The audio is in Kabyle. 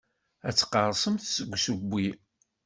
Ad teqqerṣemt seg usewwi.